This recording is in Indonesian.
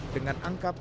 dengan angka keputusan